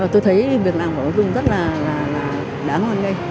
tôi thấy việc làm của bà dung rất là đáng hoan nghênh